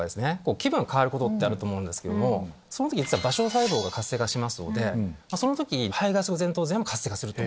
気分が変わることってあると思うんですけれどもその時実は場所細胞が活性化しますのでその時に背外側前頭前野も活性化すると。